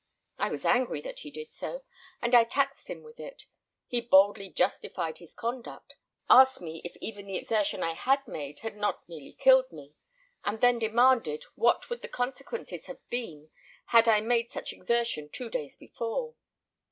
I was angry that he did so, and I taxed him with it. He boldly justified his conduct, asked me if even the exertion I had made had not nearly killed me, and then demanded, what would the consequences have been had I made such exertion two days before.